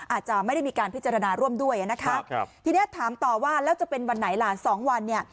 อาจจะไม่ได้มีการพิจารณาร่วมด้วยนะคะครับทีนี้ถามต่อว่าแล้วจะเป็นวันไหนล่ะสองวันเนี่ย